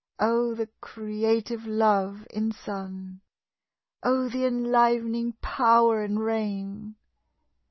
Oh, the creative Love in sun! Oh, the enlivening Power in rain!